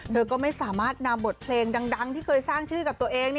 เธอก็ไม่สามารถนำบทเพลงดังที่เคยสร้างชื่อกับตัวเอง